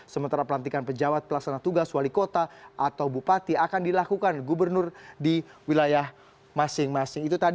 sementara pelantikan pejabat pelaksana tugas wali kota atau bupati akan dilakukan gubernur di wilayah masing masing